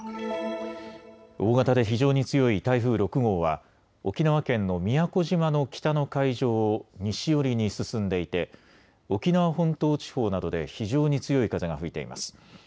大型で非常に強い台風６号は沖縄県の宮古島の北の海上を西寄りに進んでいて沖縄本島地方などで非常に強い風が吹いています。